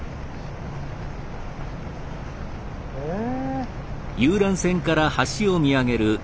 へえ。